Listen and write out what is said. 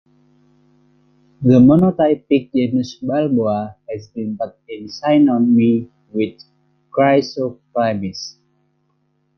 The monotypic genus Balboa has been put in synonymy with "Chrysochlamys".